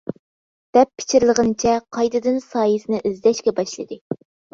دەپ پىچىرلىغىنىچە قايتىدىن سايىسىنى ئىزدەشكە باشلىدى.